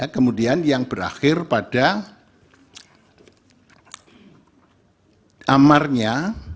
kemudian yang berakhir pada amarnya